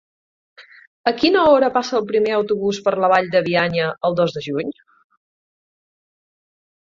A quina hora passa el primer autobús per la Vall de Bianya el dos de juny?